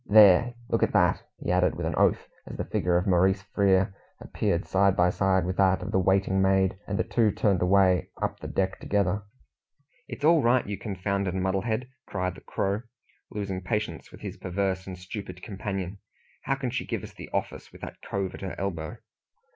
" There, look at that," he added, with an oath, as the figure of Maurice Frere appeared side by side with that of the waiting maid, and the two turned away up the deck together. "It's all right, you confounded muddlehead!" cried the Crow, losing patience with his perverse and stupid companion. "How can she give us the office with that cove at her elbow?"